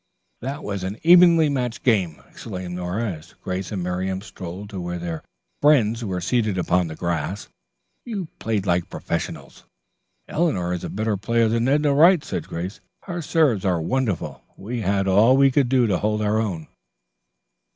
"That was an evenly matched game," exclaimed Nora, as Grace and Miriam strolled to where their friends were seated upon the grass. "You played like professionals." "Eleanor is a better player than Edna Wright," said Grace. "Her serves are wonderful. We had all we could do to hold our own."